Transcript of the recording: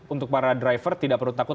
untuk para driver tidak perlu takut